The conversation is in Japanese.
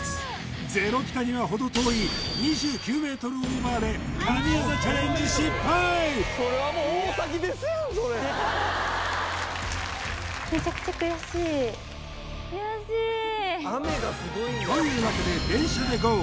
ゼロピタにはほど遠い２９ｍオーバーで神業チャレンジ失敗というわけで電車でＧＯ！！